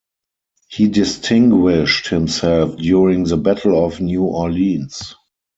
He distinguished himself during the Battle of New Orleans.